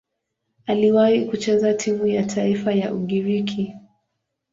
Aliwahi kucheza timu ya taifa ya Ugiriki.